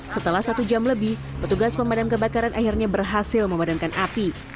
setelah satu jam lebih petugas pemadam kebakaran akhirnya berhasil memadamkan api